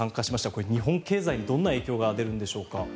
これは日本経済にどんな影響が出るんでしょうか。